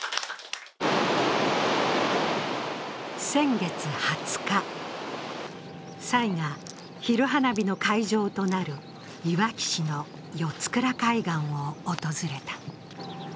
先月２０日、蔡が昼花火の会場となるいわき市の四倉海岸を訪れた。